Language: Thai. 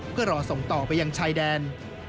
ก็รอส่งต่อไปยังชัยแดน